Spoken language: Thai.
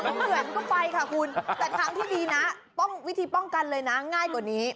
เหมือนก็ไปค่ะคุณแต่ทางที่ดีนะต้องวิธีป้องกันเลยนะง่ายกว่านี้